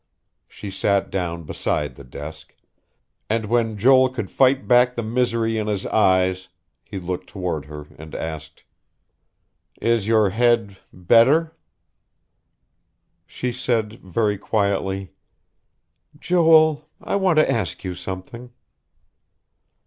She sat down beside the desk, and when Joel could fight back the misery in his eyes, he looked toward her and asked: "Is your head better?" She said very quietly: "Joel, I want to ask you something."